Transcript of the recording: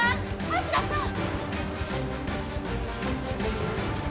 橋田さん！